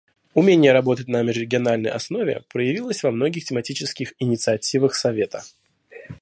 Умение работать на межрегиональной основе проявилось во многих тематических инициативах Совета.